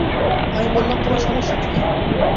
আমি বললাম, তোমার সমস্যাটা কী?